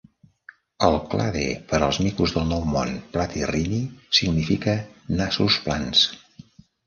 El clade per als micos del Nou Món, Platyrrhini, significa "nassos plans".